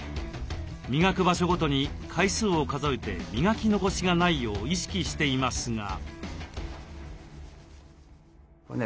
磨く場所ごとに回数を数えて磨き残しがないよう意識していますが。